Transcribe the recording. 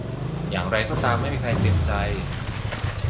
อย่างไรก็ตามไม่มีใครเต็มใจ